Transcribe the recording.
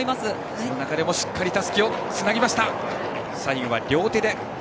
その中でもしっかりたすきをつなげました。